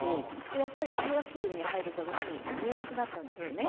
やっぱり中学生に入る頃に言えなくなったんですよね